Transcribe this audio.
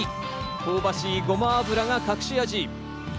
香ばしいゴマ油が隠し味。